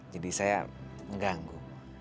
jadi jadi saya mengganggu